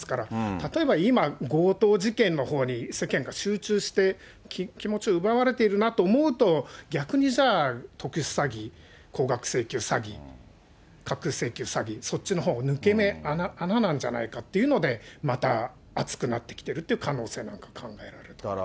例えば、今、強盗事件のほうに世間が集中して、気持ちを奪われているなと思うと、逆にじゃあ、特殊詐欺、高額請求詐欺、架空請求詐欺、そっちのほうが抜け目、穴なんじゃないかということで、また熱くなってきてるっていう可能性も考えられると思いますね。